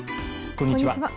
こんにちは。